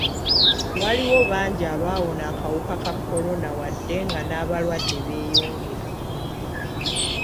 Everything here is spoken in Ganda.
Waliwo bangi abawona akawuka ka kolona wadde nga n'abalwadde beeyongera.